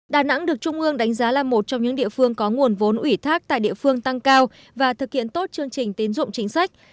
đà nẵng được trung ương đánh giá là một trong những địa phương có nguồn vốn ủy thác tại địa phương tăng cao và thực hiện tốt chương trình tín dụng chính sách